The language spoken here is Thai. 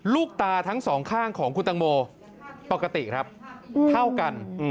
ลูกตาทั้งสองข้างของคุณตังโมปกติครับเท่ากัน